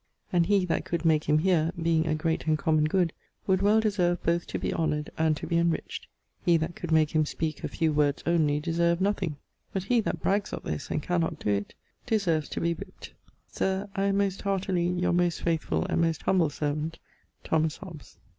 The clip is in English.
And he that could make him heare (being a great and common good) would well deserve both to be honoured and to be enriched. He that could make him speake a few words onely deserved nothing. But he that brags of this and cannot doe it, deserves to be whipt. Sir, I am most heartily Your most faithfull and most humble servant, THOMAS HOBBES.